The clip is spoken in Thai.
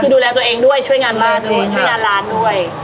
คือดูแลตัวเองด้วยช่วยงานบ้านด้วยช่วยงานร้านด้วย